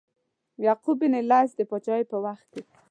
یعقوب بن لیث د پاچهۍ په وخت کې.